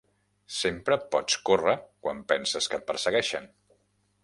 Sempre pots córrer quan penses que et persegueixen